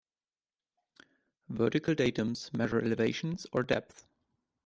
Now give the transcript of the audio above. Vertical datums measure elevations or depths.